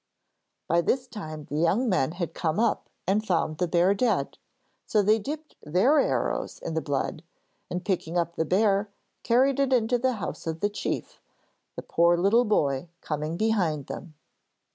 By this time the young men had come up and found the bear dead, so they dipped their arrows in the blood, and picking up the bear, carried it into the house of the chief, the poor little boy coming behind them.